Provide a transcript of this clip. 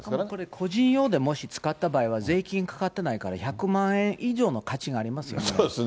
個人用でもし使った場合は、税金かかってないから１００万円そうですね。